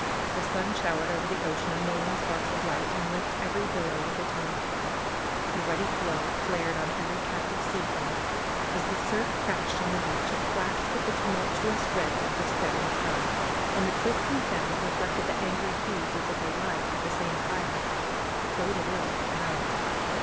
The sun showered over the ocean a million sparks of light, and licked every bil low with a tongue of fire. The ruddy glow flared on every cap of seafoam. As the surf crashed on the beach it flashed with the tumultuous red of the set ting sun. And the cliffs and sands reflected the angry hues, as if alive with the same fire. It boded ill for the night.